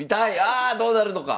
あどうなるのか！